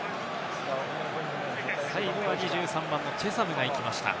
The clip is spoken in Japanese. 最後は２３番のチェサムが行きました。